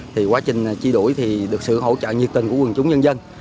thì quá trình truy đuổi thì được sự hỗ trợ nhiệt tình của quân chúng nhân dân